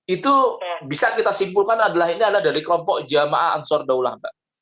itu bisa kita simpulkan adalah ini adalah dari kelompok jamaah ansur daulah mbak